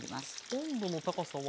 温度の高さは。